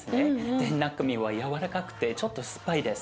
で中身は軟らかくてちょっと酸っぱいです。